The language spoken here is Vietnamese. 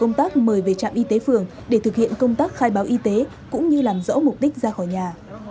hà nông đã được tổ công tác mời về trạm y tế phường để thực hiện công tác khai báo y tế cũng như làm rõ mục đích ra khỏi nhà